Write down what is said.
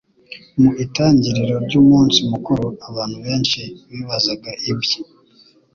Mu itangiriro ry'umunsi mukuru, abantu benshi bibazaga ibye.